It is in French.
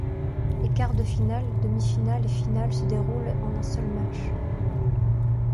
Les quarts de finale, demi-finales et finales se déroulent en un seul match.